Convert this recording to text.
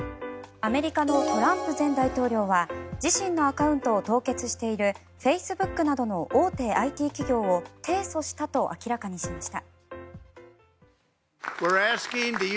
アメリカのトランプ前大統領は自身のアカウントを凍結しているフェイスブックなどの大手ＩＴ企業を提訴したと明らかにしました。